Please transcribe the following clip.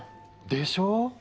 でしょう？